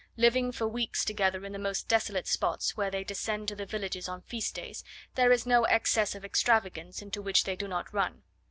Living for weeks together in the most desolate spots, when they descend to the villages on feast days, there is no excess of extravagance into which they do not run.